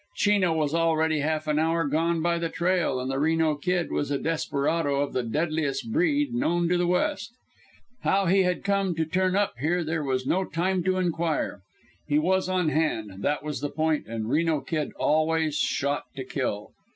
Chino was already half an hour gone by the trail, and the Reno Kid was a desperado of the deadliest breed known to the West. How he came to turn up here there was no time to inquire. He was on hand, that was the point; and Reno Kid always "shot to kill."